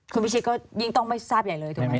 คุณพิชิตก็ยิ่งต้องไม่ทราบใหญ่เลยถูกไหม